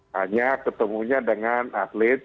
hanya ketemunya dengan atlet